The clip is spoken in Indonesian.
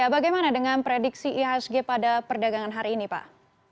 bagaimana dengan prediksi ihsg pada perdagangan hari ini pak